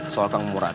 soal kang murad